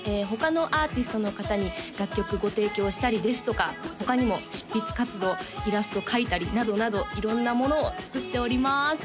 他のアーティストの方に楽曲ご提供したりですとか他にも執筆活動イラスト描いたりなどなど色んなものを作っております